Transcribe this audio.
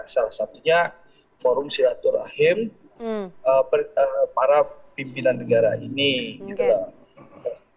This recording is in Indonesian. salah satunya forum silaturahim para pimpinan negara ini gitu loh